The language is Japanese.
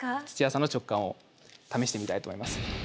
土屋さんの直感を試してみたいと思います。